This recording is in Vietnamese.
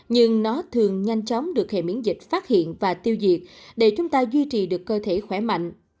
nhưng nó thường nhanh chóng được hệ miễn dịch phát hiện và tiêu diệt để chúng ta duy trì được cơ thể khỏe mạnh